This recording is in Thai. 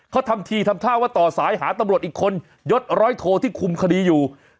เขาทำทีทำท่าว่าต่อสายหาตำรวจอีกคนยดร้อยโทที่คุมคดีอยู่